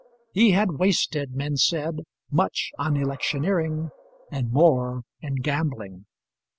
He had wasted, men said, much on electioneering, and more in gambling.